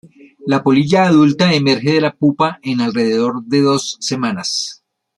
La polilla adulta emerge de la pupa en alrededor de dos semanas.